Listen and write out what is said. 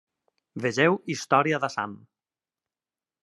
Vegeu Història d'Assam.